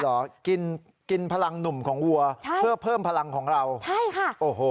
เหรอกินกินพลังหนุ่มของวัวใช่เพื่อเพิ่มพลังของเราใช่ค่ะโอ้โห